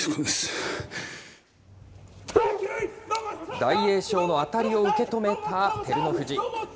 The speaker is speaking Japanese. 大栄翔の当たりを受け止めた照ノ富士。